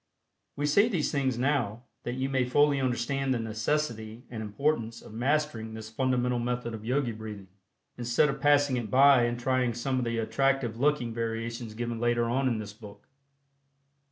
We say these things now, that you may fully understand the necessity and importance of mastering this fundamental method of Yogi Breathing, instead of passing it by and trying some of the attractive looking variations given later on in this book.